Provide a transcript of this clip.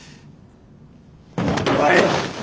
お前！